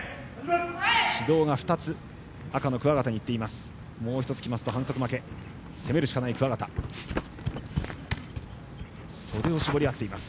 指導が２つ、赤の桑形にいっています。